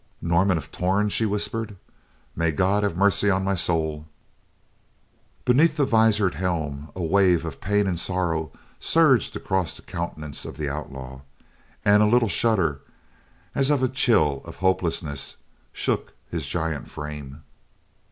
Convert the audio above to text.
"Norman of Torn!" she whispered. "May God have mercy on my soul!" Beneath the visored helm, a wave of pain and sorrow surged across the countenance of the outlaw, and a little shudder, as of a chill of hopelessness, shook his giant frame.